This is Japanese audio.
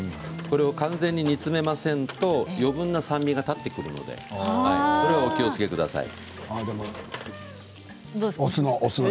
完全に煮詰めませんと余分な酸味が立ってくるのでそれはお気をつけください。